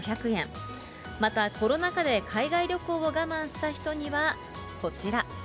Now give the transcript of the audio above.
またコロナ禍で海外旅行を我慢した人にはこちら。